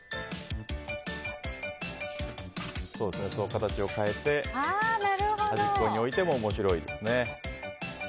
形を変えて、端っこに置いても面白いですね。